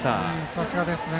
さすがですね。